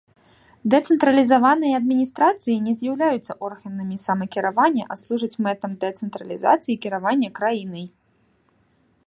Дэцэнтралізаваныя адміністрацыі не з'яўляюцца органамі самакіравання, а служаць мэтам дэцэнтралізацыі кіравання краінай.